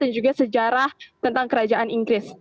dan juga sejarah tentang kerajaan inggris